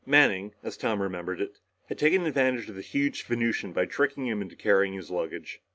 Manning, as Tom remembered it, had taken advantage of the huge Venusian by tricking him into carrying his luggage.